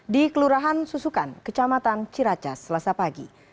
di kelurahan susukan kecamatan ciracas selasa pagi